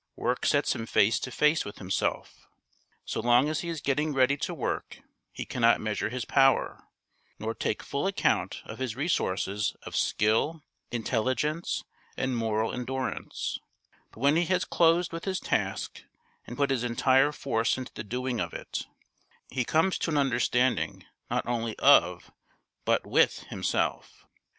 Work sets him face to face with himself. So long as he is getting ready to work he cannot measure his power, nor take full account of his resources of skill, intelligence, and moral endurance; but when he has closed with his task and put his entire force into the doing of it, he comes to an understanding not only of but with himself.